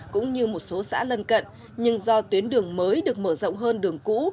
cũng như một số xã lân cận nhưng do tuyến đường mới được mở rộng hơn đường cũ